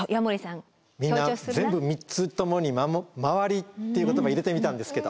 みんな全部３つともに「まわり」っていう言葉入れてみたんですけど。